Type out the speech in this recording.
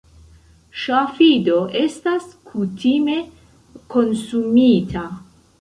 Ŝafido estas kutime konsumita.